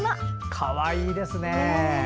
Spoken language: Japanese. かわいいですね。